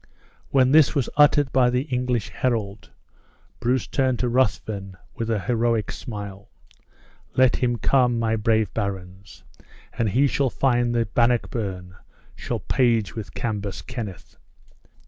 When this was uttered by the English herald, Bruce turned to Ruthven with an heroic smile: "Let him come, my brave barons, and he shall find that Bannockburn shall page with Cambus Kenneth!"